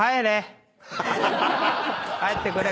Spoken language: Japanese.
帰ってくれ。